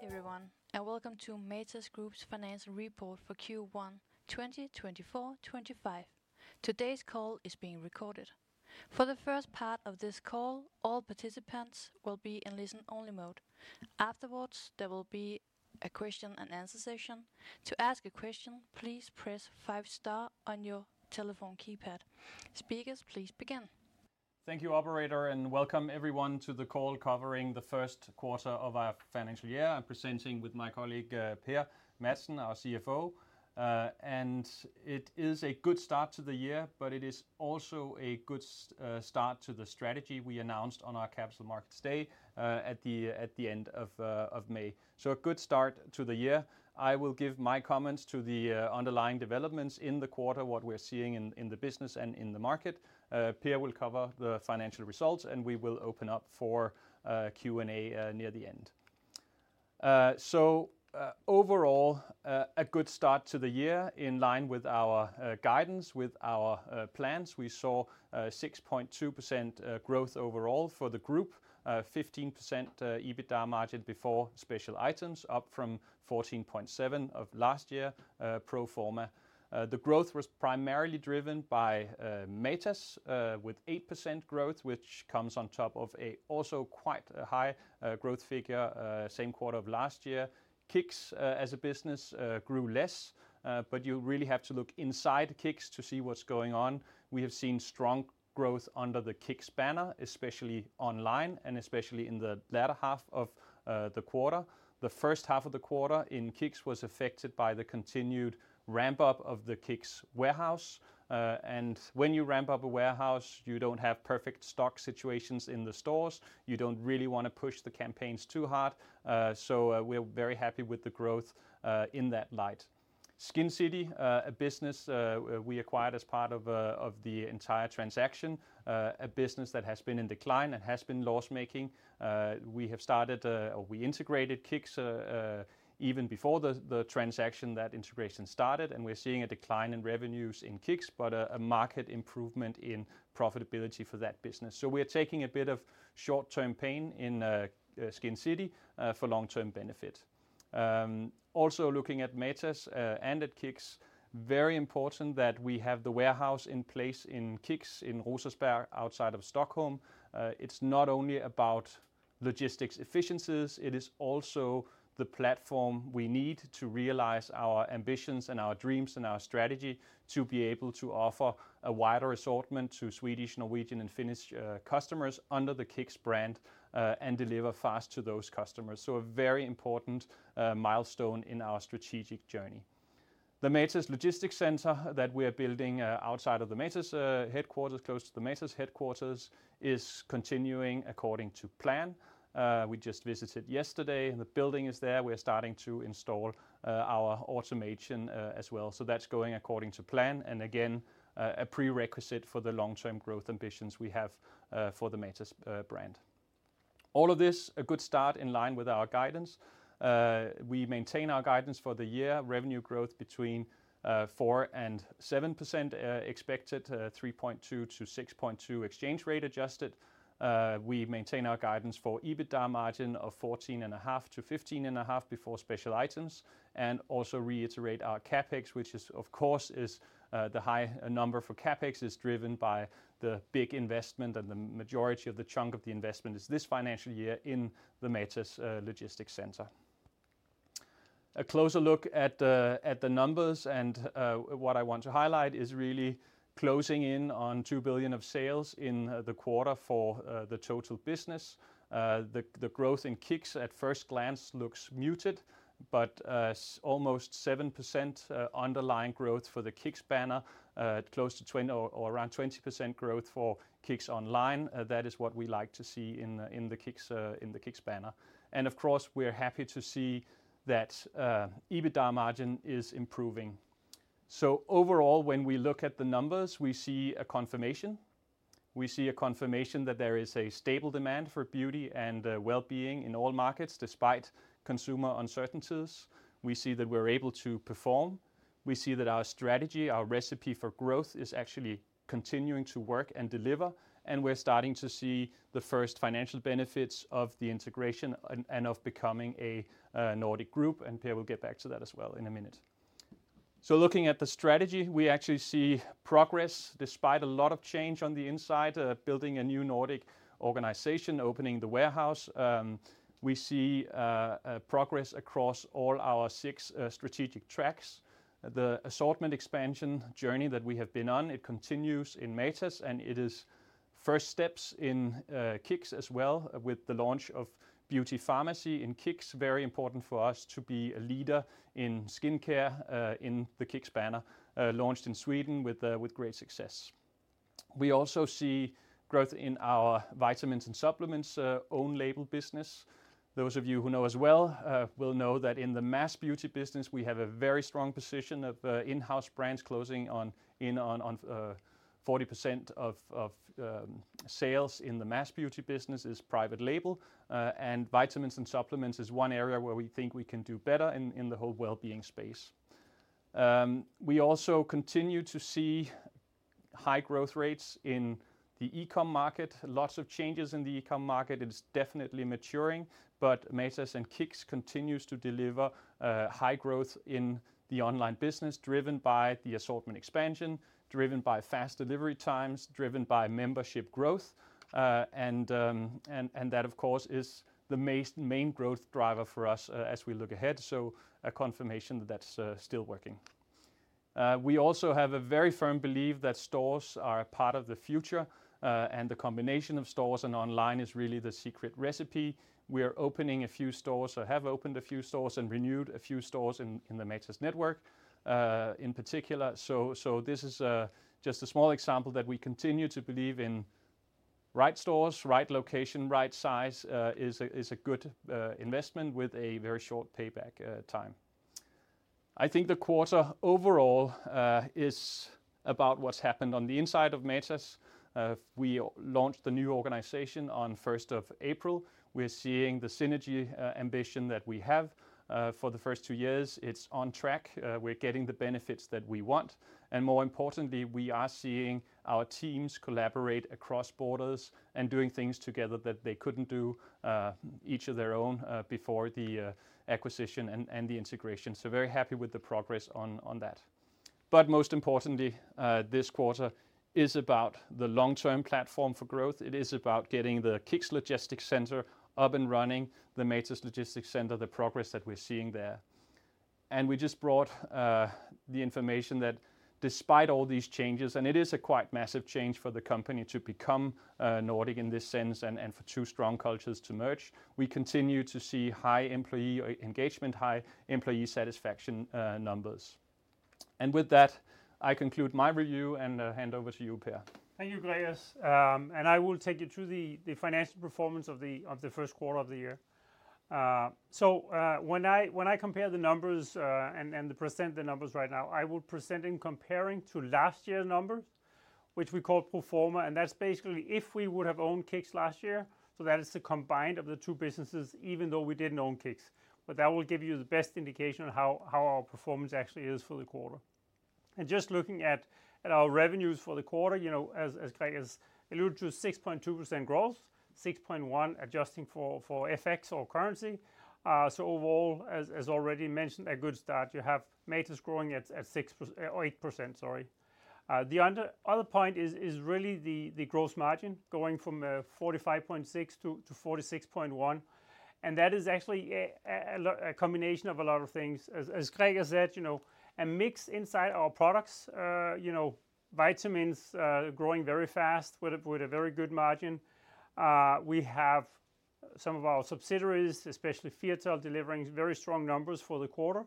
Hi, everyone, and welcome to Matas Group's financial report for Q1, 2024/25. Today's call is being recorded. For the first part of this call, all participants will be in listen-only mode. Afterwards, there will be a question and answer session. To ask a question, please press five star on your telephone keypad. Speakers, please begin. Thank you, operator, and welcome everyone to the call covering the first quarter of our financial year. I'm presenting with my colleague, Per Madsen, our CFO. And it is a good start to the year, but it is also a good start to the strategy we announced on our Capital Markets Day, at the end of May. So a good start to the year. I will give my comments to the underlying developments in the quarter, what we're seeing in the business and in the market. Per will cover the financial results, and we will open up for Q&A near the end. So, overall, a good start to the year, in line with our guidance, with our plans. We saw 6.2% growth overall for the group. 15% EBITDA margin before special items, up from 14.7% of last year, pro forma. The growth was primarily driven by Matas, with 8% growth, which comes on top of a also quite a high growth figure, same quarter of last year. KICKS, as a business, grew less, but you really have to look inside KICKS to see what's going on. We have seen strong growth under the KICKS banner, especially online and especially in the latter half of the quarter. The first half of the quarter in KICKS was affected by the continued ramp-up of the KICKS warehouse. And when you ramp up a warehouse, you don't have perfect stock situations in the stores. You don't really wanna push the campaigns too hard. So, we're very happy with the growth in that light. Skincity, a business we acquired as part of the entire transaction, a business that has been in decline and has been loss-making. We integrated KICKS even before the transaction, that integration started, and we're seeing a decline in revenues in KICKS, but a market improvement in profitability for that business. So we are taking a bit of short-term pain in Skincity for long-term benefit. Also looking at Matas and at KICKS, very important that we have the warehouse in place in KICKS, in Rosersberg, outside of Stockholm. It's not only about logistics efficiencies, it is also the platform we need to realize our ambitions and our dreams and our strategy to be able to offer a wider assortment to Swedish, Norwegian, and Finnish customers under the KICKS brand, and deliver fast to those customers. So a very important milestone in our strategic journey. The Matas Logistics Center that we are building outside of the Matas headquarters, close to the Matas headquarters, is continuing according to plan. We just visited yesterday, and the building is there. We're starting to install our automation as well. So that's going according to plan, and again, a prerequisite for the long-term growth ambitions we have for the Matas brand. All of this, a good start in line with our guidance. We maintain our guidance for the year, revenue growth between 4%-7%, expected 3.2%-6.2 exchange rate adjusted. We maintain our guidance for EBITDA margin of 14.5%-15.5% before special items, and also reiterate our CapEx, which is, of course, the high number for CapEx is driven by the big investment, and the majority of the chunk of the investment is this financial year in the Matas logistics center. A closer look at the numbers, and what I want to highlight is really closing in on 2 billion of sales in the quarter for the total business. The growth in KICKS at first glance looks muted, but almost 7% underlying growth for the KICKS banner, close to 20 or around 20% growth for KICKS online. That is what we like to see in the KICKS banner. And of course, we're happy to see that EBITDA margin is improving. So overall, when we look at the numbers, we see a confirmation. We see a confirmation that there is a stable demand for beauty and well-being in all markets, despite consumer uncertainties. We see that we're able to perform. We see that our strategy, our recipe for growth, is actually continuing to work and deliver, and we're starting to see the first financial benefits of the integration and of becoming a Nordic group, and Per will get back to that as well in a minute. So looking at the strategy, we actually see progress despite a lot of change on the inside, building a new Nordic organization, opening the warehouse. We see progress across all our six strategic tracks. The assortment expansion journey that we have been on, it continues in Matas, and it is first steps in KICKS as well, with the launch of Beauty Pharmacy in KICKS. Very important for us to be a leader in skincare in the KICKS banner, launched in Sweden with great success. We also see growth in our vitamins and supplements own label business. Those of you who know as well will know that in the mass beauty business, we have a very strong position of in-house brands closing in on 40% of sales in the mass beauty business is private label. And vitamins and supplements is one area where we think we can do better in the whole well-being space. We also continue to see high growth rates in the e-com market. Lots of changes in the e-com market. It is definitely maturing, but Matas and KICKS continues to deliver high growth in the online business, driven by the assortment expansion, driven by fast delivery times, driven by membership growth. And that, of course, is the main growth driver for us, as we look ahead, so a confirmation that that's still working. We also have a very firm belief that stores are a part of the future, and the combination of stores and online is really the secret recipe. We are opening a few stores, or have opened a few stores and renewed a few stores in the Matas network, in particular. So this is just a small example that we continue to believe in right stores, right location, right size, is a good investment with a very short payback time. I think the quarter overall is about what's happened on the inside of Matas. We launched the new organization on first of April. We're seeing the synergy, ambition that we have. For the first two years, it's on track. We're getting the benefits that we want, and more importantly, we are seeing our teams collaborate across borders and doing things together that they couldn't do, each of their own, before the, acquisition and, and the integration. So very happy with the progress on, on that. But most importantly, this quarter is about the long-term platform for growth. It is about getting the KICKS logistics center up and running, the Matas logistics center, the progress that we're seeing there. We just brought the information that despite all these changes, and it is a quite massive change for the company to become Nordic in this sense and, and for two strong cultures to merge, we continue to see high employee engagement, high employee satisfaction numbers. With that, I conclude my review and hand over to you, Per. Thank you, Gregers. And I will take you through the financial performance of the first quarter of the year. So when I compare the numbers and present the numbers right now, I will present in comparing to last year's numbers, which we call pro forma, and that's basically if we would have owned KICKS last year, so that is the combined of the two businesses, even though we didn't own KICKS. But that will give you the best indication of how our performance actually is for the quarter. And just looking at our revenues for the quarter, you know, as Gregers alluded to, 6.2% growth, 6.1%, adjusting for FX or currency. So overall, as already mentioned, a good start. You have Matas growing at six per... Eight percent, sorry. The other point is really the gross margin going from 45.6 to 46.1, and that is actually a combination of a lot of things. As Gregers said, you know, a mix inside our products, you know, vitamins growing very fast with a very good margin. We have some of our subsidiaries, especially Firtal, delivering very strong numbers for the quarter.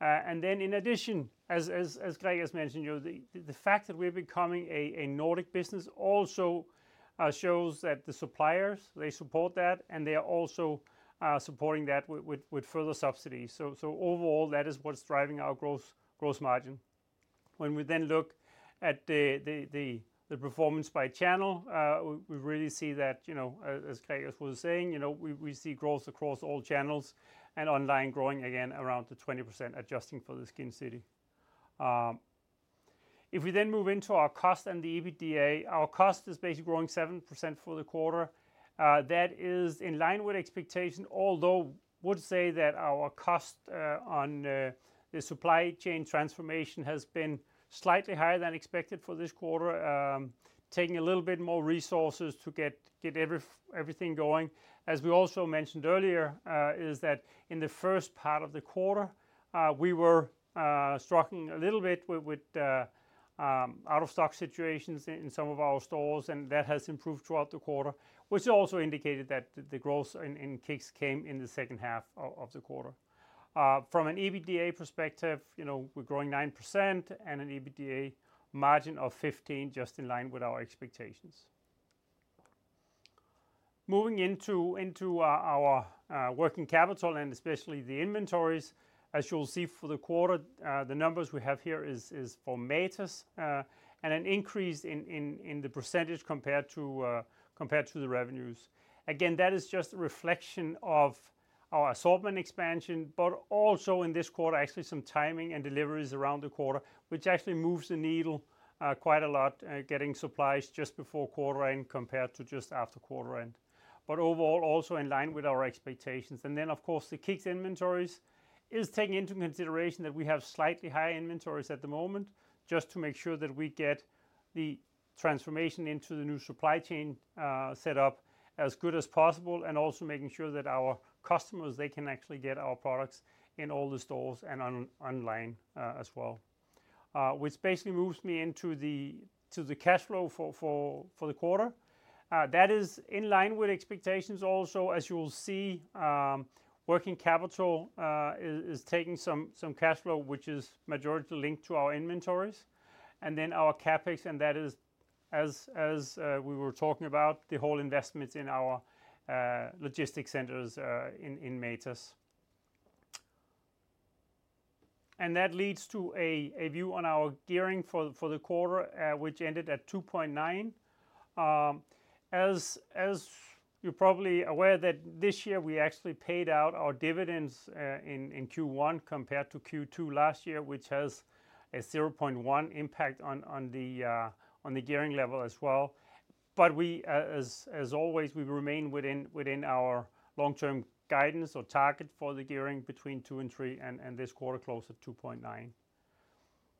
And then in addition, as Gregers mentioned, you know, the fact that we're becoming a Nordic business also shows that the suppliers, they support that, and they are also supporting that with further subsidies. So overall, that is what's driving our gross margin. When we then look at the performance by channel, we really see that, you know, as Gregers Wedell-Wedellsborg was saying, you know, we see growth across all channels and online growing again around 20%, adjusting for Skincity. If we then move into our cost and the EBITDA, our cost is basically growing 7% for the quarter. That is in line with expectation, although would say that our cost on the supply chain transformation has been slightly higher than expected for this quarter. Taking a little bit more resources to get everything going. As we also mentioned earlier, is that in the first part of the quarter, we were struggling a little bit with out-of-stock situations in some of our stores, and that has improved throughout the quarter, which also indicated that the growth in KICKS came in the second half of the quarter. From an EBITDA perspective, you know, we're growing 9% and an EBITDA margin of 15%, just in line with our expectations. Moving into our working capital, and especially the inventories, as you'll see for the quarter, the numbers we have here is for Matas, and an increase in the percentage compared to the revenues. Again, that is just a reflection of our assortment expansion, but also in this quarter, actually some timing and deliveries around the quarter, which actually moves the needle, quite a lot, getting supplies just before quarter end compared to just after quarter end. But overall, also in line with our expectations. And then, of course, the KICKS inventories is taking into consideration that we have slightly higher inventories at the moment, just to make sure that we get the transformation into the new supply chain, set up as good as possible, and also making sure that our customers, they can actually get our products in all the stores and online, as well. Which basically moves me into the, to the cash flow for the quarter. That is in line with expectations also. As you will see, working capital is taking some cash flow, which is majority linked to our inventories, and then our CapEx, and that is, as we were talking about, the whole investments in our logistics centers in Matas. And that leads to a view on our gearing for the quarter, which ended at 2.9. As you're probably aware, that this year we actually paid out our dividends in Q1 compared to Q2 last year, which has a 0.1 impact on the gearing level as well. But we, as always, we remain within our long-term guidance or target for the gearing between 2 and 3, and this quarter closed at 2.9.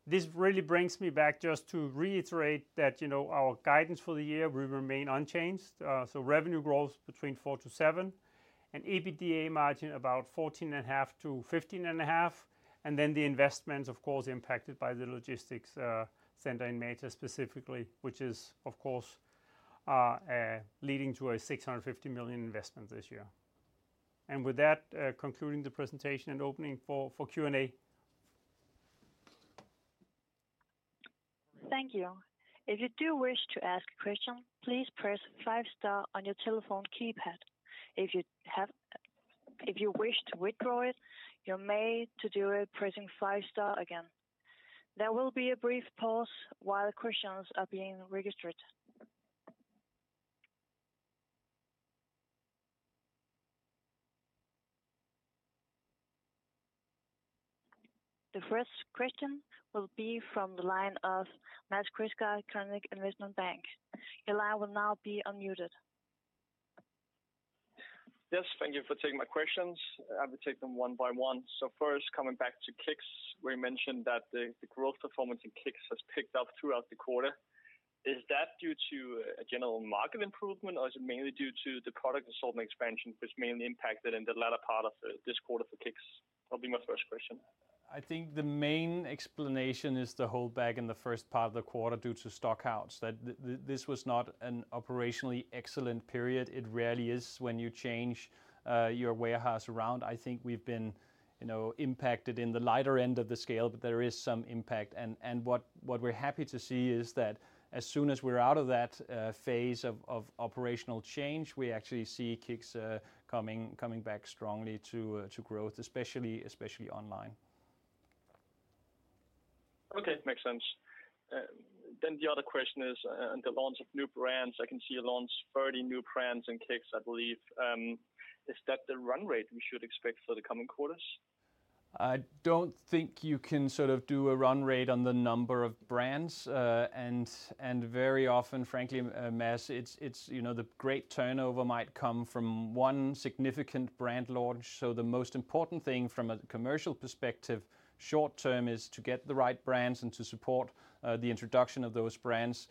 This really brings me back just to reiterate that, you know, our guidance for the year will remain unchanged. So revenue growth between 4%-7%, and EBITDA margin about 14.5%-15.5%. And then the investments, of course, impacted by the logistics center in Matas specifically, which is, of course, leading to a 650 million investment this year. And with that, concluding the presentation and opening for Q&A. Thank you. If you do wish to ask a question, please press five star on your telephone keypad. If you wish to withdraw it, you may to do it pressing five star again. There will be a brief pause while questions are being registered. The first question will be from the line of Mads Quistgaard, Carnegie Investment Bank. Your line will now be unmuted. Yes, thank you for taking my questions. I will take them one by one. So first, coming back to KICKS, where you mentioned that the growth performance in KICKS has picked up throughout the quarter. Is that due to a general market improvement, or is it mainly due to the product assortment expansion, which mainly impacted in the latter part of this quarter for KICKS? That'll be my first question. I think the main explanation is the hold back in the first part of the quarter due to stock outs, that this was not an operationally excellent period. It rarely is when you change your warehouse around. I think we've been, you know, impacted in the lighter end of the scale, but there is some impact. And what we're happy to see is that as soon as we're out of that phase of operational change, we actually see KICKS coming back strongly to growth, especially online. Okay, makes sense. Then the other question is on the launch of new brands. I can see you launched 30 new brands in KICKS, I believe. Is that the run rate we should expect for the coming quarters? I don't think you can sort of do a run rate on the number of brands. And very often, frankly, Mads, it's, you know, the great turnover might come from one significant brand launch. So the most important thing from a commercial perspective, short term, is to get the right brands and to support the introduction of those brands.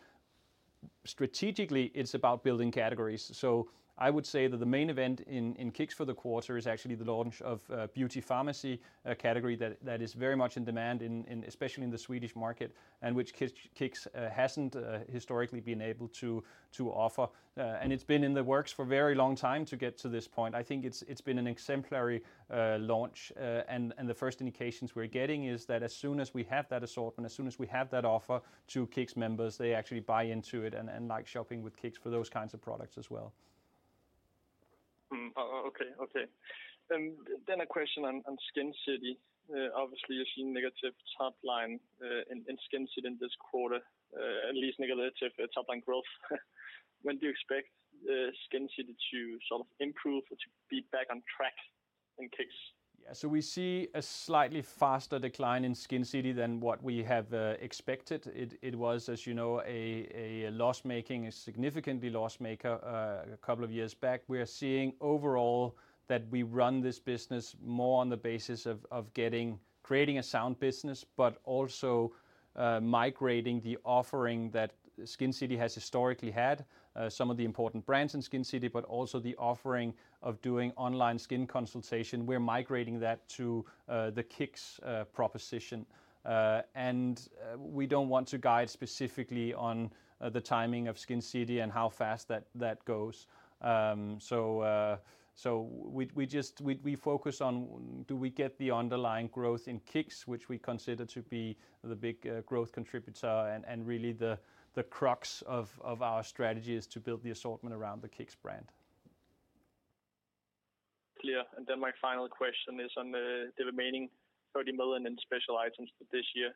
Strategically, it's about building categories. So I would say that the main event in KICKS for the quarter is actually the launch of a beauty pharmacy, a category that is very much in demand in especially in the Swedish market, and which KICKS hasn't historically been able to offer. And it's been in the works for a very long time to get to this point. I think it's been an exemplary launch. The first indications we're getting is that as soon as we have that assortment, as soon as we have that offer to KICKS members, they actually buy into it and like shopping with KICKS for those kinds of products as well. Hmm. Oh, okay, okay. Then a question on SkinCity. Obviously, you're seeing negative top line in SkinCity in this quarter, at least negative top line growth. When do you expect SkinCity to sort of improve or to be back on track in KICKS? Yeah. So we see a slightly faster decline in SkinCity than what we have expected. It was, as you know, a loss-making, a significantly loss-maker a couple of years back. We are seeing overall that we run this business more on the basis of getting, creating a sound business, but also migrating the offering that SkinCity has historically had. Some of the important brands in SkinCity, but also the offering of doing online skin consultation. We're migrating that to the KICKS proposition. And we don't want to guide specifically on the timing of SkinCity and how fast that goes. So we focus on do we get the underlying growth in KICKS, which we consider to be the big growth contributor, and really the crux of our strategy is to build the assortment around the KICKS brand. Clear. Then my final question is on the remaining 30 million in special items for this year.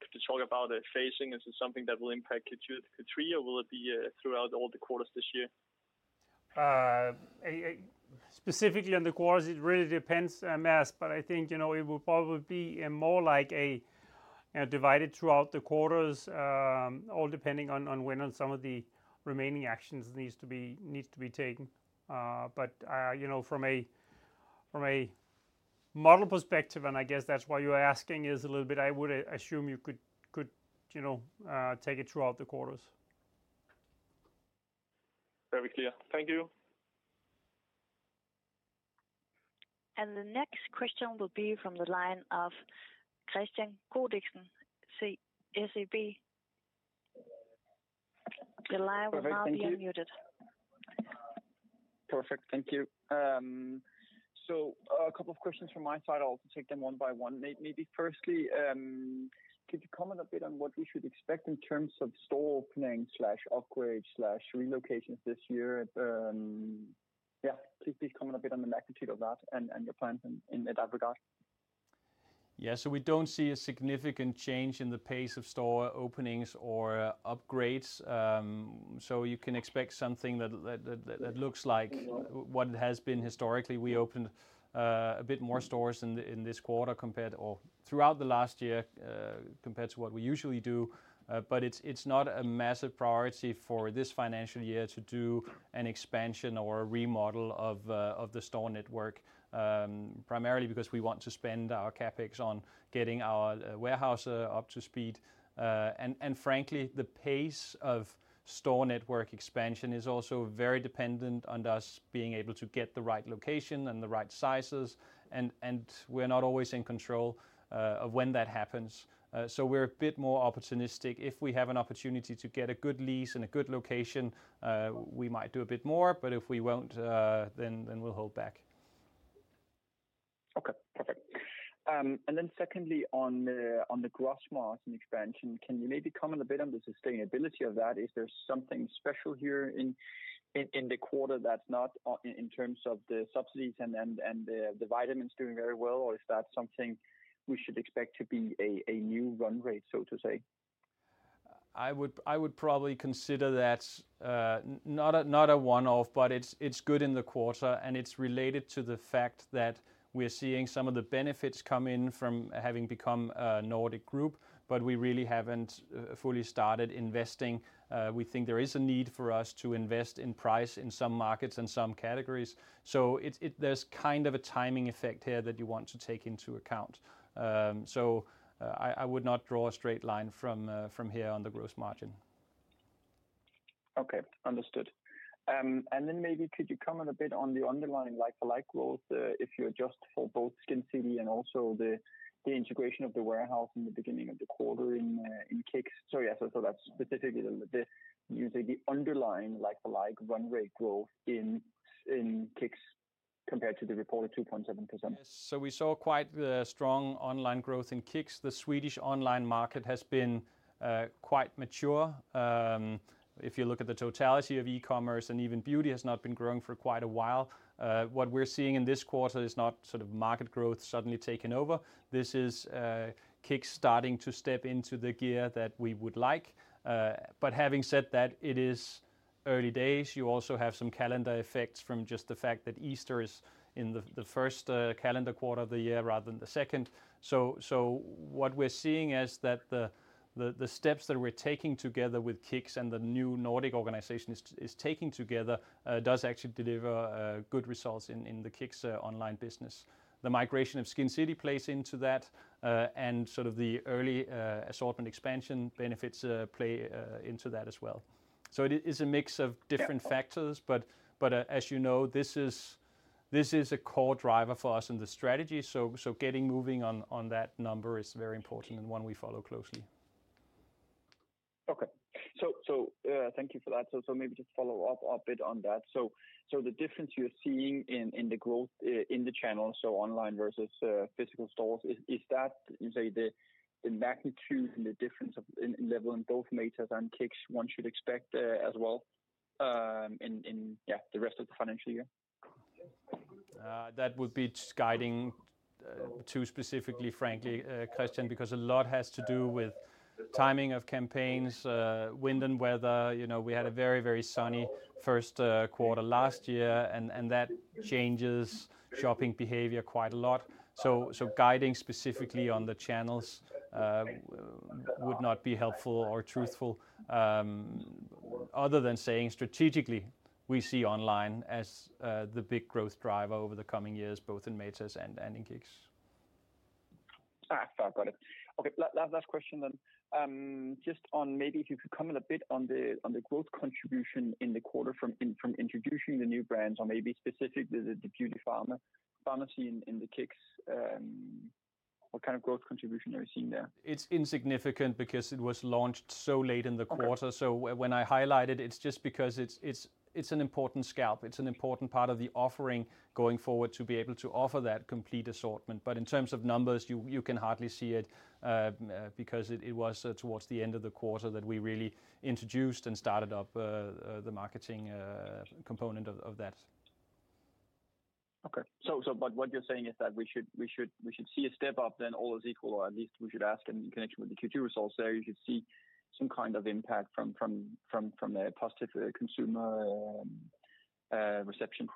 If you talk about the phasing, is this something that will impact Q2, Q3, or will it be throughout all the quarters this year? Specifically on the quarters, it really depends, Mads, but I think, you know, it will probably be more like divided throughout the quarters, all depending on when some of the remaining actions needs to be taken. But you know, from a model perspective, and I guess that's why you're asking, is a little bit I would assume you could, you know, take it throughout the quarters. Very clear. Thank you. The next question will be from the line of Kristian Godiksen, SEB. Your line will now be unmuted. Perfect. Thank you. So a couple of questions from my side. I'll take them one by one. Maybe firstly, could you comment a bit on what we should expect in terms of store openings/upgrades/relocations this year? Yeah, please, please comment a bit on the magnitude of that and your plans in that regard. Yeah, so we don't see a significant change in the pace of store openings or upgrades. So you can expect something that looks like what has been historically. We opened a bit more stores in this quarter or throughout the last year compared to what we usually do. But it's not a massive priority for this financial year to do an expansion or a remodel of the store network. Primarily because we want to spend our CapEx on getting our warehouse up to speed. And frankly, the pace of store network expansion is also very dependent on us being able to get the right location and the right sizes, and we're not always in control of when that happens. So we're a bit more opportunistic. If we have an opportunity to get a good lease and a good location, we might do a bit more, but if we won't, then we'll hold back. Okay, perfect. And then secondly, on the gross margin expansion, can you maybe comment a bit on the sustainability of that? Is there something special here in the quarter that's not in terms of the subsidies and the vitamins doing very well, or is that something we should expect to be a new run rate, so to say? I would, I would probably consider that, not a, not a one-off, but it's, it's good in the quarter, and it's related to the fact that we're seeing some of the benefits come in from having become a Nordic group, but we really haven't, fully started investing. We think there is a need for us to invest in price in some markets and some categories. So it's, it. There's kind of a timing effect here that you want to take into account. So, I, I would not draw a straight line from, from here on the gross margin. Okay, understood. And then maybe could you comment a bit on the underlying like-for-like growth, if you adjust for both SkinCity and also the integration of the warehouse in the beginning of the quarter in KICKS? So that's specifically using the underlying like-for-like run rate growth in KICKS compared to the reported 2.7%. Yes. So we saw quite the strong online growth in KICKS. The Swedish online market has been quite mature. If you look at the totality of e-commerce, and even beauty has not been growing for quite a while. What we're seeing in this quarter is not sort of market growth suddenly taking over. This is KICKS starting to step into the gear that we would like. But having said that, it is early days. You also have some calendar effects from just the fact that Easter is in the first calendar quarter of the year rather than the second. So what we're seeing is that the steps that we're taking together with KICKS and the new Nordic organization is taking together does actually deliver good results in the KICKS online business. The migration of SkinCity plays into that, and sort of the early assortment expansion benefits play into that as well. So it is a mix of different factors. Yeah. But, as you know, this is a core driver for us in the strategy, so getting moving on that number is very important and one we follow closely. Okay. So, thank you for that. So, maybe just follow up a bit on that. So, the difference you're seeing in the growth in the channel, so online versus physical stores, is that, you say, the magnitude and the difference of in level in both Matas and KICKS, one should expect as well in yeah, the rest of the financial year? That would be guiding too specifically, frankly, Kristian, because a lot has to do with timing of campaigns, wind and weather. You know, we had a very, very sunny first quarter last year, and that changes shopping behavior quite a lot. So guiding specifically on the channels would not be helpful or truthful, other than saying strategically, we see online as the big growth driver over the coming years, both in Matas and in KICKS. Ah, I've got it. Okay, last question then. Just on maybe if you could comment a bit on the, on the growth contribution in the quarter from in, from introducing the new brands or maybe specifically the, the Beauty Pharmacy in KICKS. What kind of growth contribution are you seeing there? It's insignificant because it was launched so late in the quarter. Okay. So when I highlight it, it's just because it's an important scalp. It's an important part of the offering going forward to be able to offer that complete assortment. But in terms of numbers, you can hardly see it, because it was towards the end of the quarter that we really introduced and started up the marketing component of that. Okay. So, but what you're saying is that we should see a step up, then all is equal, or at least we should ask in connection with the Q2 results there, you should see some kind of impact from a positive consumer reception.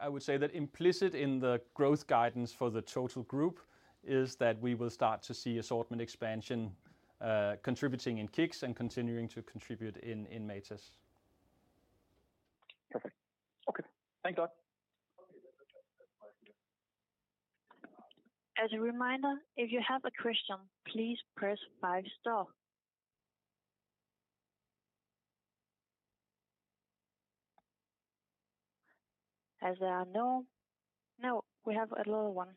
I would say that implicit in the growth guidance for the total group is that we will start to see assortment expansion, contributing in KICKS and continuing to contribute in Matas. Perfect. Okay, thank God. As a reminder, if you have a question, please press five star. Now, we have a little one.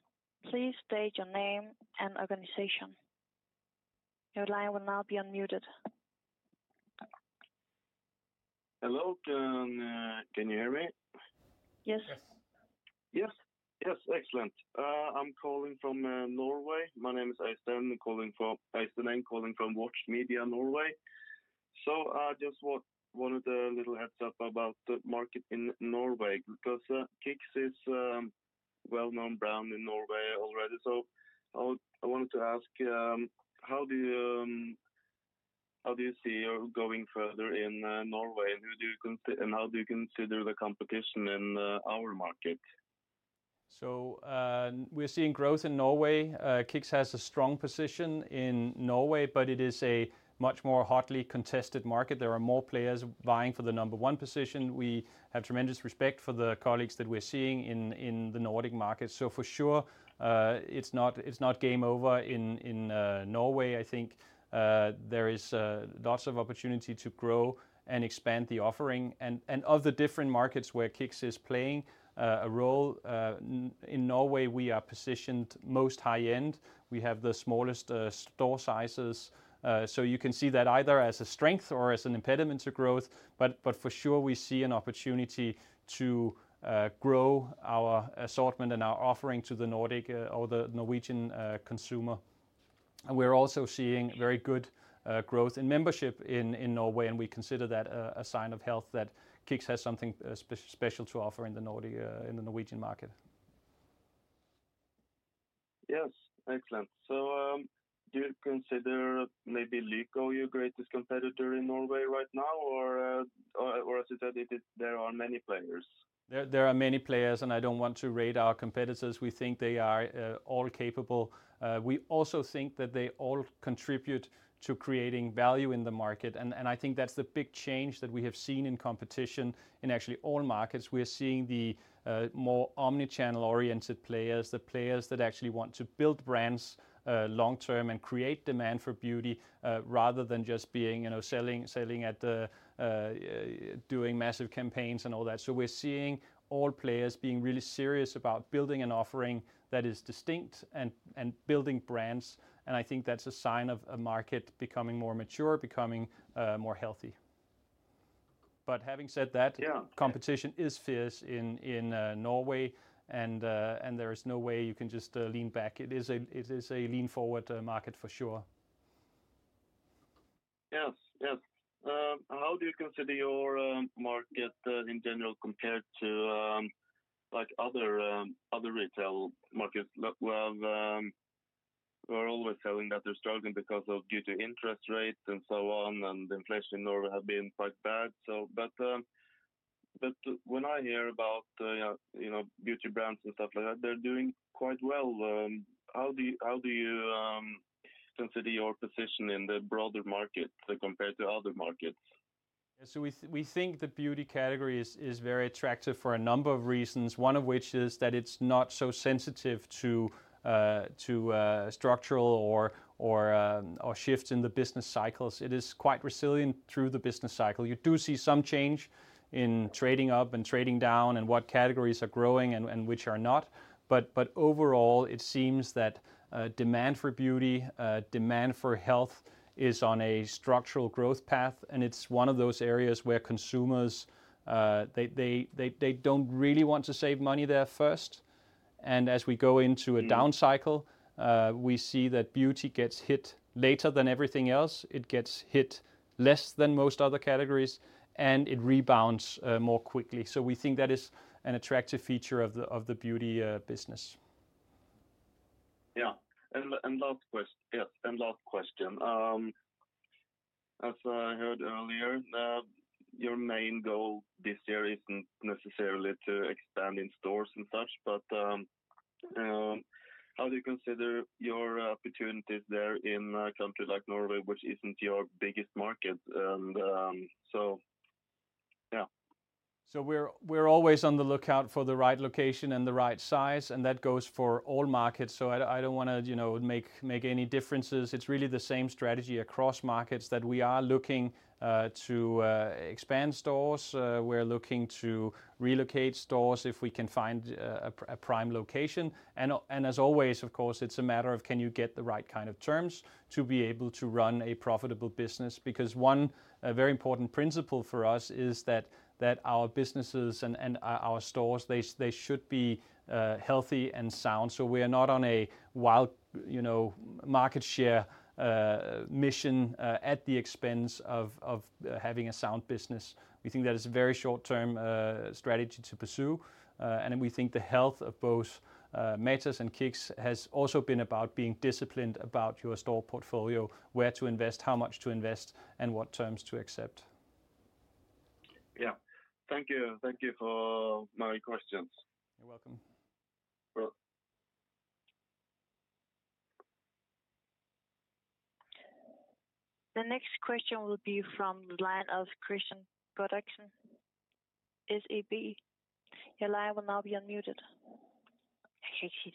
Please state your name and organization. Your line will now be unmuted. Hello, can you hear me? Yes. Yes. Yes, excellent. I'm calling from Norway. My name is Øystein, calling from Watch Media Norway. So, just what one of the little heads up about the market in Norway, because KICKS is well-known brand in Norway already. So I wanted to ask, how do you see or going further in Norway? And how do you consider the competition in our market? So, we're seeing growth in Norway. KICKS has a strong position in Norway, but it is a much more hotly contested market. There are more players vying for the number one position. We have tremendous respect for the colleagues that we're seeing in the Nordic market. So for sure, it's not game over in Norway. I think, there is lots of opportunity to grow and expand the offering and of the different markets where KICKS is playing a role. In Norway, we are positioned most high end. We have the smallest store sizes. So you can see that either as a strength or as an impediment to growth, but for sure, we see an opportunity to grow our assortment and our offering to the Nordic or the Norwegian consumer. We're also seeing very good growth in membership in Norway, and we consider that a sign of health, that KICKS has something special to offer in the Nordic, in the Norwegian market. Yes. Excellent. So, do you consider maybe Lyko your greatest competitor in Norway right now, or, or, or is it that it is there are many players? There are many players, and I don't want to rate our competitors. We think they are all capable. We also think that they all contribute to creating value in the market, and, and I think that's the big change that we have seen in competition in actually all markets. We are seeing the more omni-channel-oriented players, the players that actually want to build brands long term and create demand for beauty rather than just being, you know, selling, selling at the doing massive campaigns and all that. So we're seeing all players being really serious about building an offering that is distinct and, and building brands, and I think that's a sign of a market becoming more mature, becoming more healthy. But having said that- Yeah. Competition is fierce in Norway, and there is no way you can just lean back. It is a lean forward market for sure. Yes, yes. How do you consider your market in general compared to, like, other retail markets? Well, we're always hearing that they're struggling because of due to interest rates and so on, and the inflation in Norway have been quite bad. So but, but when I hear about, you know, beauty brands and stuff like that, they're doing quite well. How do you consider your position in the broader market compared to other markets? So we think the beauty category is very attractive for a number of reasons, one of which is that it's not so sensitive to structural or shifts in the business cycles. It is quite resilient through the business cycle. You do see some change in trading up and trading down and what categories are growing and which are not. But overall, it seems that demand for beauty demand for health is on a structural growth path, and it's one of those areas where consumers they don't really want to save money there first. And as we go into a down cycle, we see that beauty gets hit later than everything else. It gets hit less than most other categories, and it rebounds more quickly. So we think that is an attractive feature of the beauty business. Yeah. And last question. As I heard earlier, your main goal this year isn't necessarily to expand in stores and such, but how do you consider your opportunities there in a country like Norway, which isn't your biggest market? And, so, yeah. So we're always on the lookout for the right location and the right size, and that goes for all markets. So I don't wanna, you know, make any differences. It's really the same strategy across markets, that we are looking to expand stores. We're looking to relocate stores if we can find a prime location. And as always, of course, it's a matter of can you get the right kind of terms to be able to run a profitable business. Because one very important principle for us is that our businesses and our stores, they should be healthy and sound. So we are not on a wild, you know, market share mission at the expense of having a sound business. We think that is a very short-term strategy to pursue, and we think the health of both Matas and KICKS has also been about being disciplined about your store portfolio, where to invest, how much to invest, and what terms to accept. Yeah. Thank you. Thank you for my questions. You're welcome. Well. The next question will be from the line of Kristian Godiksen, SEB. Your line will now be unmuted. Thank you.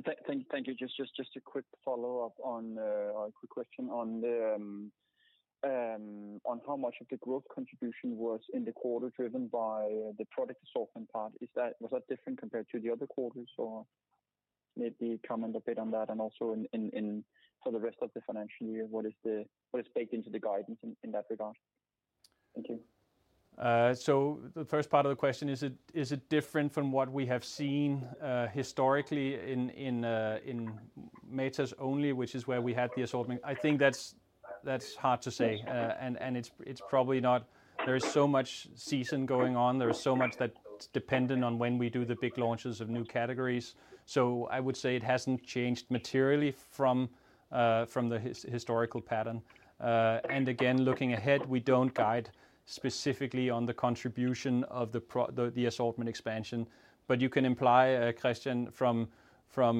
Just a quick follow-up on a quick question on how much of the growth contribution was in the quarter driven by the product assortment part. Is that... Was that different compared to the other quarters, or maybe comment a bit on that, and also for the rest of the financial year, what is baked into the guidance in that regard? So the first part of the question, is it different from what we have seen historically in Matas only, which is where we had the assortment? I think that's hard to say. And it's probably not... There is so much seasonality going on. There is so much that's dependent on when we do the big launches of new categories. So I would say it hasn't changed materially from the historical pattern. And again, looking ahead, we don't guide specifically on the contribution of the assortment expansion, but you can imply, Kristian, from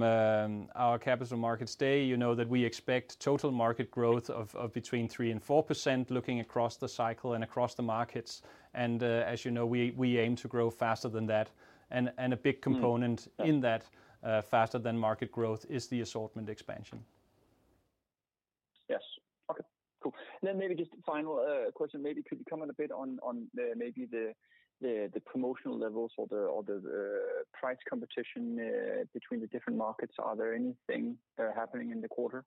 our Capital Markets Day, you know, that we expect total market growth of between 3% and 4%, looking across the cycle and across the markets. As you know, we aim to grow faster than that. A big component in that faster than market growth is the assortment expansion. Yes. Okay, cool. Then maybe just a final question. Maybe could you comment a bit on the promotional levels or the price competition between the different markets? Are there anything happening in the quarter?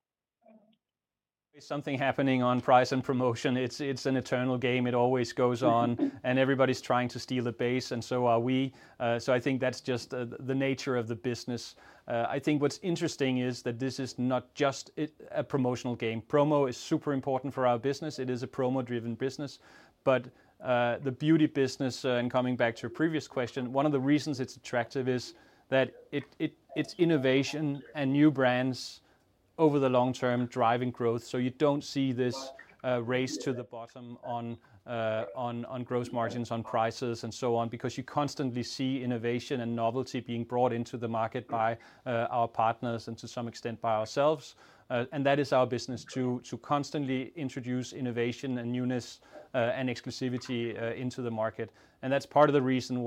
There's something happening on price and promotion. It's an eternal game. It always goes on, and everybody's trying to steal a base, and so are we. So I think that's just the nature of the business. I think what's interesting is that this is not just a promotional game. Promo is super important for our business. It is a promo-driven business, but the beauty business, and coming back to your previous question, one of the reasons it's attractive is that it's innovation and new brands over the long term, driving growth. So you don't see this race to the bottom on gross margins, on prices, and so on, because you constantly see innovation and novelty being brought into the market by our partners and to some extent, by ourselves. That is our business, to constantly introduce innovation and newness, and exclusivity, into the market. That's part of the reason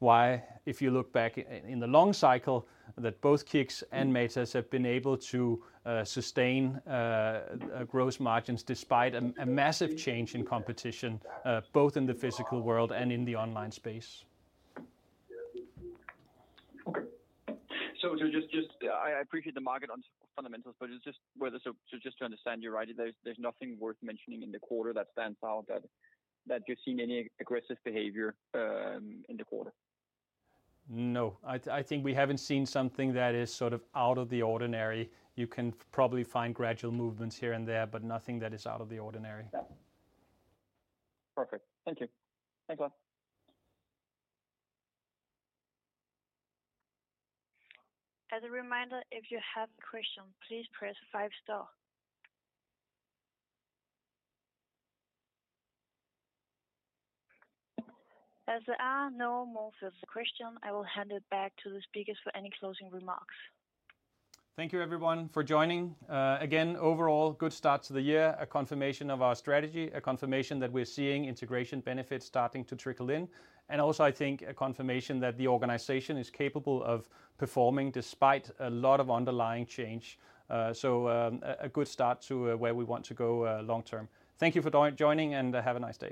why, if you look back in the long cycle, that both KICKS and Matas have been able to sustain gross margins, despite a massive change in competition, both in the physical world and in the online space. Okay. So just... I appreciate the market on fundamentals, but just whether, so just to understand you right, there's nothing worth mentioning in the quarter that stands out, that you've seen any aggressive behavior, in the quarter? No. I, I think we haven't seen something that is sort of out of the ordinary. You can probably find gradual movements here and there, but nothing that is out of the ordinary. Yeah. Perfect. Thank you. Thanks a lot. As a reminder, if you have a question, please press 5 star. As there are no more further question, I will hand it back to the speakers for any closing remarks. Thank you, everyone, for joining. Again, overall, good start to the year, a confirmation of our strategy, a confirmation that we're seeing integration benefits starting to trickle in, and also, I think, a confirmation that the organization is capable of performing despite a lot of underlying change. So, a good start to where we want to go long term. Thank you for joining, and have a nice day.